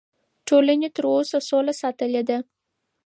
ټولنې تر اوسه سوله ساتلې ده.